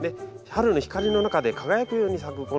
春の光の中で輝くように咲く